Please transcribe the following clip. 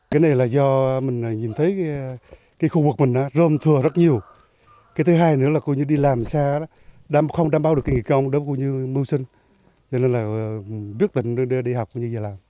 không đảm bảo được kinh nghị công đối với mưu sinh nên là quyết định đi học như vậy làm